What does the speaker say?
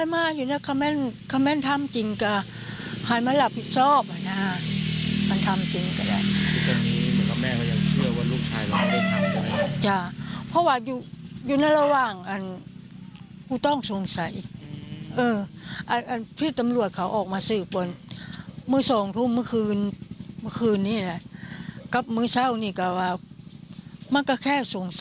เมื่อคืนนี้กับมื้อเช่านี้ก็ว่ามันก็แค่สงสัยอยู่นะ